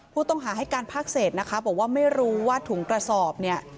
ผู้ต้องหาให้การภาคเศษนะคะบอกว่าไม่รู้ว่าถุงกระสอบเนี่ย